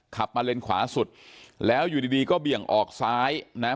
ขับมาเลนขวาสุดแล้วอยู่ดีดีก็เบี่ยงออกซ้ายนะ